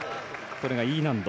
これがＥ難度。